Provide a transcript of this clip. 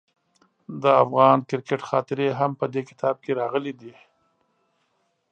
د افغان کرکټ خاطرې هم په دې کتاب کې راغلي دي.